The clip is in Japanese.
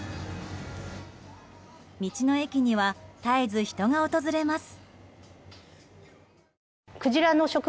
道の駅には絶えず人が訪れます。